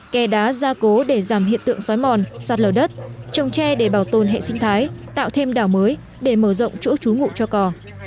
kè đá ra cố để giảm hiện tượng xói mòn sạt lở đất trồng tre để bảo tồn hệ sinh thái tạo thêm đảo mới để mở rộng chỗ trú ngụ cho cò